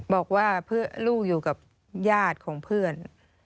บอกว่าเพื่อลูกอยู่กับญาติของเพื่อน